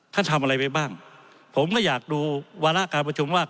ทำอะไรไปบ้างผมก็อยากดูวาระการประชุมว่า